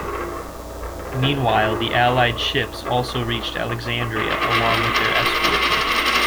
Meanwhile, the Allied ships also reached Alexandria along with their escort.